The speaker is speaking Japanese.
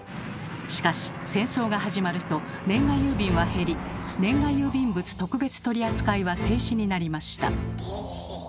しかし戦争が始まると年賀郵便は減り年賀郵便物特別取扱は停止になりました。